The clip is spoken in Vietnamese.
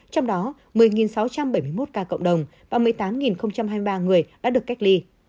trong đó một mươi sáu trăm bảy mươi một ca cộng đồng và một mươi tám hai mươi ba người đã được cách ly